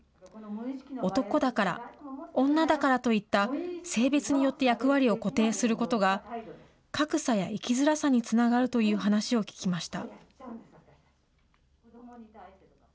男だから、女だからといった、性別によって役割を固定することが格差や生きづらさにつながるという話を聞きました。